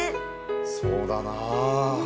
そうだなぁ。